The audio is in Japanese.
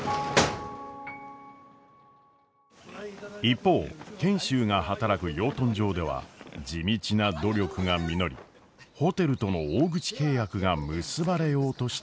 一方賢秀が働く養豚場では地道な努力が実りホテルとの大口契約が結ばれようとしていました。